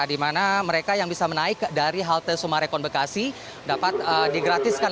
di mana mereka yang bisa menaik dari halte sumarekon bekasi dapat digratiskan